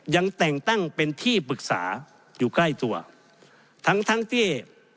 ยังแต่งตั้งเป็นที่ปรึกษาอยู่ใกล้ตัวทั้งทั้งที่